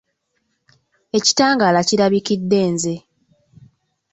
Ekitangaala kirabikidde nze.